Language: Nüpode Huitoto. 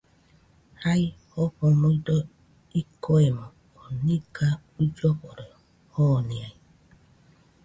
Jai, Jofo nuido ikoemo, oo niga uilloforo joniai